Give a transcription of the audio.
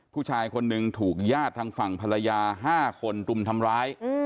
ผู้ชายคนหนึ่งถูกญาติทางฝั่งภรรยา๕คนรุมทำร้าย